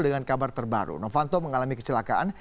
dengan kabar terbaru novanto mengalami kecelakaan